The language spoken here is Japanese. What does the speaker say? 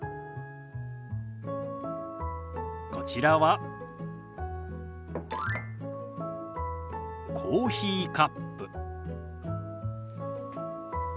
こちらはコーヒーカップ。